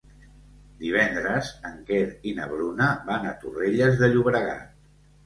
Divendres en Quer i na Bruna van a Torrelles de Llobregat.